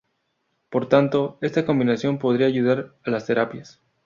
Por tanto, esta combinación podría ayudar a las terapias.